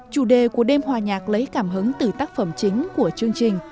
chủ đề của đêm hòa nhạc lấy cảm hứng từ tác phẩm chính của chương trình